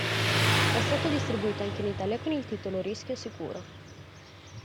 È stato distribuito anche in Italia con il titolo "Rischio sicuro".